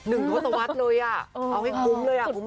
หนึ่งทุกสวรรค์เลยอ่ะเอาให้คุ้มเลยอ่ะคุณผู้ชม